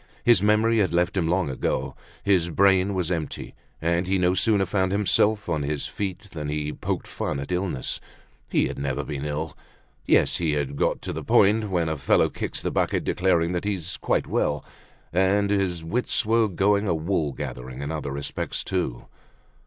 His memory had left him long ago, his brain was empty; and he no sooner found himself on his feet than he poked fun at illness. He had never been ill. Yes, he had got to the point when a fellow kicks the bucket declaring that he's quite well. And his wits were going a wool gathering in other respects too.